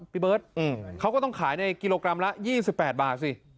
พี่เบิร์ตเขาก็ต้องขายในกิโลกรัมละ๒๘บาทสิ